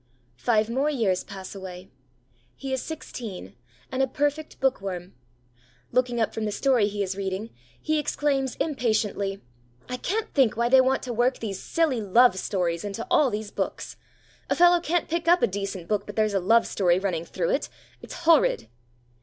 Five more years pass away. He is sixteen, and a perfect book worm. Looking up from the story he is reading, he exclaims impatiently: 'I can't think why they want to work these silly love stories into all these books. A fellow can't pick up a decent book but there's a love story running through it. It's horrid!'